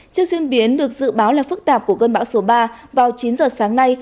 trước diễn biến được dự báo là phức tạp của cơn bão số ba vào chín giờ sáng nay